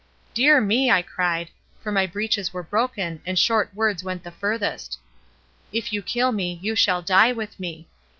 "Dear me!" I cried, for my breeches were broken, and short words went the furthest "if you kill me, you shall die with me."